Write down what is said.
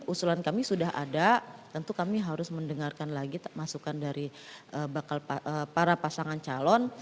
usulan kami sudah ada tentu kami harus mendengarkan lagi masukan dari para pasangan calon